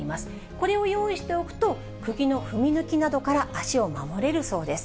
これを用意しておくと、くぎの踏み抜きなどから足を守れるそうです。